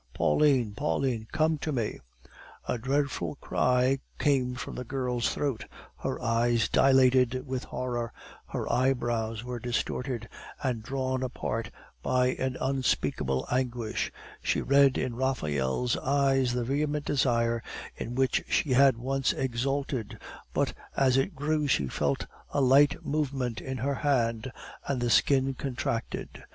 "Pauline! Pauline! Come to me " A dreadful cry came from the girl's throat, her eyes dilated with horror, her eyebrows were distorted and drawn apart by an unspeakable anguish; she read in Raphael's eyes the vehement desire in which she had once exulted, but as it grew she felt a light movement in her hand, and the skin contracted.